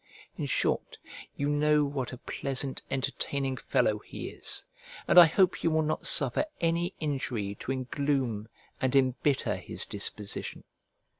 In short, you know what a pleasant entertaining fellow he is, and I hope you will not suffer any injury to engloom and embitter his disposition.